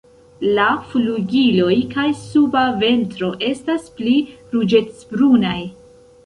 La flugiloj kaj suba ventro estas pli ruĝecbrunaj.